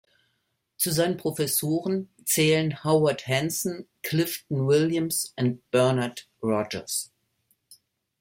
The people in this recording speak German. Zu seinen Professoren zählen Howard Hanson, Clifton Williams und Bernard Rogers.